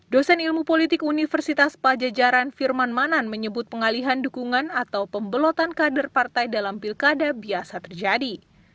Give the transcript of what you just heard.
dosen ilmu politik universitas pajajaran firman manan menyebut pengalihan dukungan atau pembelotan kader partai dalam pilkada biasa terjadi